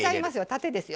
縦ですよ。